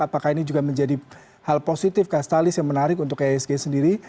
apakah ini juga menjadi hal positif kastalis yang menarik untuk ihsg sendiri